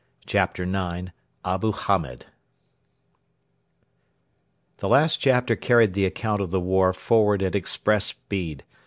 CHAPTER IX: ABU HAMED The last chapter carried the account of the war forward at express speed.